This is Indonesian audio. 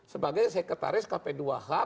sebagai sekretaris kp dua h